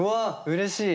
うれしい。